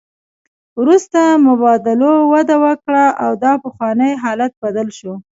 وروسته مبادلو وده وکړه او دا پخوانی حالت بدل شو